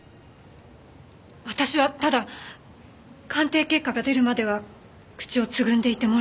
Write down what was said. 私はただ鑑定結果が出るまでは口をつぐんでいてもらおうと。